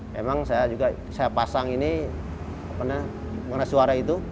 memang saya juga saya pasang ini mengenai suara itu